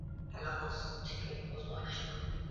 Kuenea kwa ugonjwa wa homa ya mapafu kunaweza kutokea